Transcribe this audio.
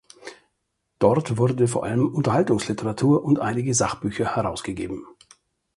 Dort wurde vor allem Unterhaltungsliteratur und einige Sachbücher herausgegeben.